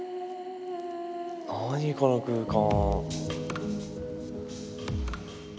何この空間。